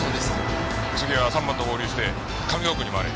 次は三班と合流して上京区に回れ。